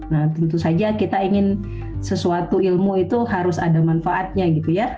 nah tentu saja kita ingin sesuatu ilmu itu harus ada manfaatnya gitu ya